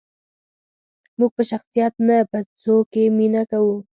موږ په شخصیت نه، په څوکې مینه کوو.